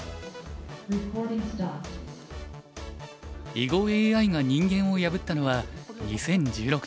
囲碁ＡＩが人間を破ったのは２０１６年。